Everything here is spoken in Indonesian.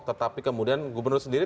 tetapi kemudian gubernur sendiri